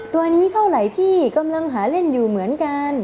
ตัวนี้เท่าไหร่พี่กำลังหาเล่นอยู่เหมือนกัน